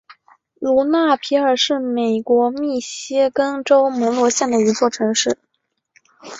卢纳皮尔是美国密歇根州门罗县的一座城市。